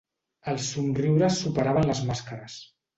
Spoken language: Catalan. Els somriures superaven les màscares.